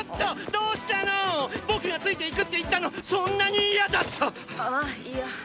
どうしたの⁉僕がついて行くって言ったのそんなに嫌だった⁉あいや。